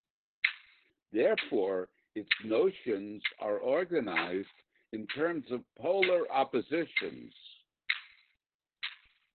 Therefore, its notions are organized in terms of polar oppositions.